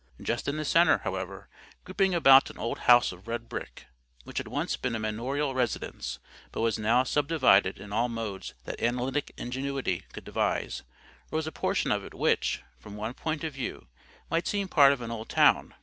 Just in the centre, however, grouping about an old house of red brick, which had once been a manorial residence, but was now subdivided in all modes that analytic ingenuity could devise, rose a portion of it which, from one point of view, might seem part of an old town.